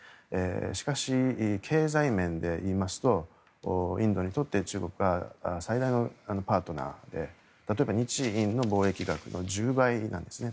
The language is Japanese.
しかし、経済面で言いますとインドにとって中国は最大のパートナーで例えば日印の貿易額の１０倍なんですね。